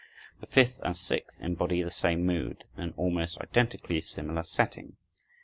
The fifth and sixth embody the same mood, in an almost identically similar setting.